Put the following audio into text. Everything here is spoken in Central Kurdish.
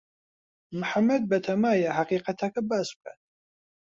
محەمەد بەتەمایە حەقیقەتەکە باس بکات.